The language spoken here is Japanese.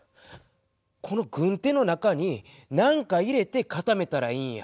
この軍手の中に何か入れて固めたらいいんや。